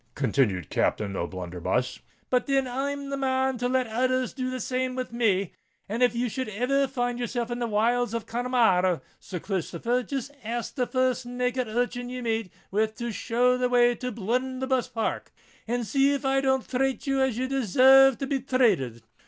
continued Captain O'Blunderbuss. "But thin I'm the man to let others do the same with me; and if you should ever find yourself in the wilds of Conamar r ra, Sir Christopher, jist ask the first naked urchin ye meet with to show the way to Bluntherbuss Park, and see if I won't trate ye as ye deserve to be trated.